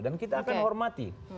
dan kita akan hormati